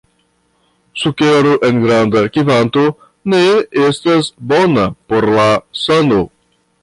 Sukero en granda kvanto ne estas bona por la sano.